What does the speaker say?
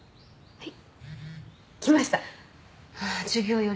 はい。